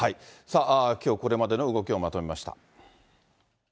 きょう、これまでの動きをまとめました。